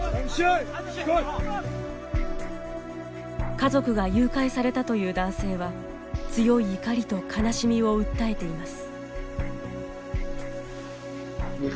家族が誘拐されたという男性は強い怒りと悲しみを訴えています。